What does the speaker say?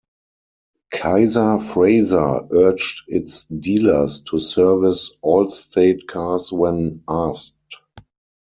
Kaiser-Frazer urged its dealers to service Allstate cars when asked.